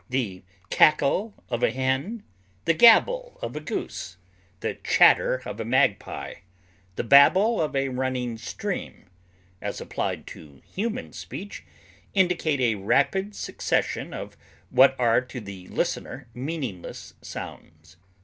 The cackle of a hen, the gabble of a goose, the chatter of a magpie, the babble of a running stream, as applied to human speech, indicate a rapid succession of what are to the listener meaningless sounds.